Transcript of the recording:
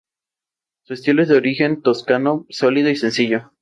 Las hachas de hierro fueron importantes además en la superstición.